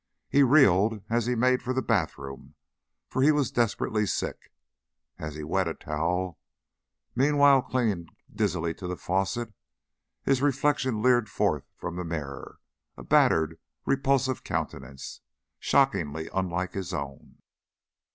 He reeled as he made for the bathroom, for he was desperately sick; as he wet a towel, meanwhile clinging dizzily to the faucet, his reflection leered forth from the mirror a battered, repulsive countenance, shockingly unlike his own.